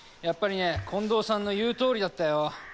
やっぱりね近藤さんの言うとおりだったよ。